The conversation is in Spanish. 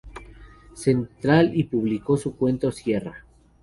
Central y publicó su cuento "Sierra".